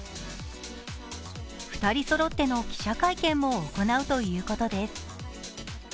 ２人そろっての記者会見も行うということです。